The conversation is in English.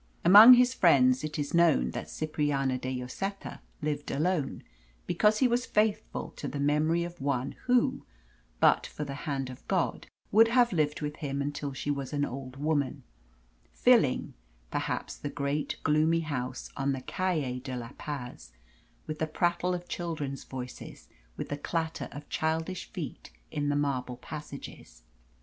Among his friends it is known that Cipriani de Lloseta lived alone because he was faithful to the memory of one who, but for the hand of God, would have lived with him until she was an old woman, filling, perhaps, the great gloomy house in the Calle de la Paz with the prattle of children's voices, with the clatter of childish feet in the marble passages.